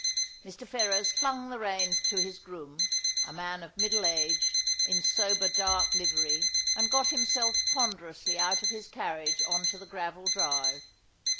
Mr. Ferrers flung the reins to his groom, a man of middle age, in sober dark livery, and got himself ponderously out of his carriage on to the gravel drive.